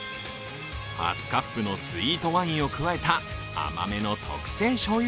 ハスカップのスイートワインを加えた甘めの特製しょうゆ